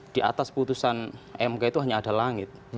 di atas putusan mk itu hanya ada langit